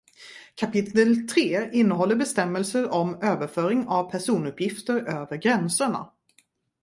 Kapitel tre innehåller bestämmelser om överföring av personuppgifter över gränserna.